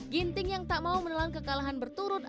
ginting yang tak mau menelan kekalahan berturut turut